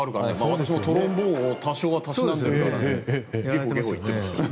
私もトロンボーンを多少はたしなんでるからね。